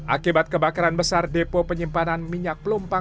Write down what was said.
akibat kebakaran besar depo penyimpanan minyak pelumpang